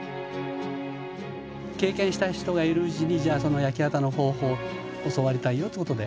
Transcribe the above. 経験した人がいるうちにじゃあその焼き畑の方法を教わりたいよっていうことで。